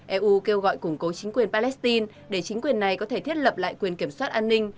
eu kêu gọi củng cố chính quyền palestine để chính quyền này có thể thiết lập lại quyền kiểm soát an ninh